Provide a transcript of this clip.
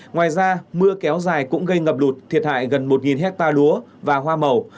ngoài ra mưa kéo dài cũng gây ngập lụt thiệt hại gần một hectare lúa và hoa màu